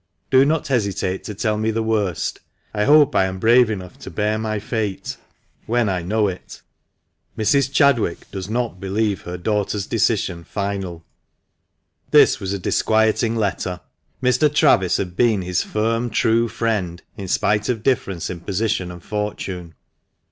Do not hesitate to tell me the ivorst. I hope I am brave enough to bear my fate — when I know it. Mrs. Chadwick does not believe her daughters decision final." This was a disquieting letter. Mr. Travis had been his firm, true friend, in spite of difference in position and fortune.